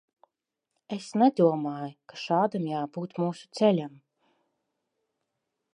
Es nedomāju, ka šādam jābūt mūsu ceļam.